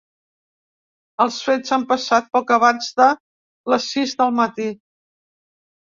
Els fets han passat poc abans de les sis del matí.